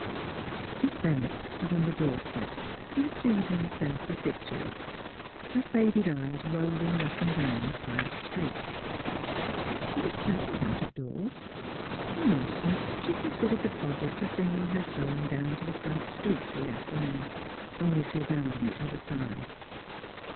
Miss Bennett stood on her door step with a pleasing sense of victory, her faded eyes roving up and down the quiet street. It was pleasant out of doors. For an instant she considered the project of bringing her sewing down to the front stoop for the afternoon, only to abandon it with a sigh.